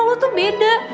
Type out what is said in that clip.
lu tuh beda